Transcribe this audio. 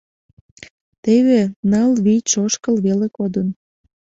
Теве ныл-вич ошкыл веле кодын.